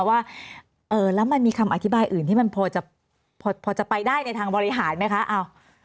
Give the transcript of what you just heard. ว่าแล้วมันมีคำอธิบายอื่นที่มันพอจะไปได้ในทางบริหารไหมคะ